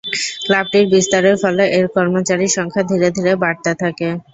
ক্লাবটির বিস্তারের ফলে এর কর্মচারীর সংখ্যা ধীরে ধীরে বাড়তে থাকে।